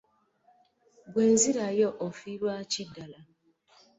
Bwe nzirayo ofiirwa ki ddala?